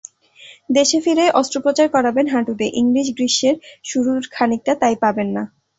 দেশে ফিরেই অস্ত্রোপচার করাবেন হাঁটুতে, ইংলিশ গ্রীষ্মের শুরুর খানিকটা তাই পাবেন না।